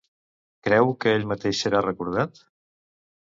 Creu que ell mateix serà recordat?